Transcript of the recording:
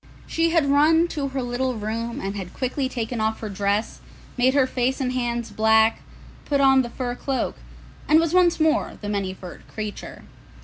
She had run to her little room and had quickly taken off her dress, made her face and hands black, put on the fur cloak, and was once more the Many furred Creature.